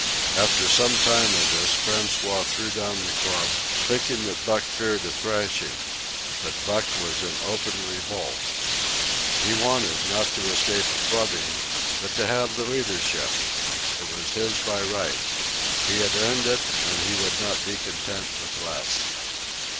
After some time of this, François threw down the club, thinking that Buck feared a thrashing. But Buck was in open revolt. He wanted, not to escape a clubbing, but to have the leadership. It was his by right. He had earned it, and he would not be content with less.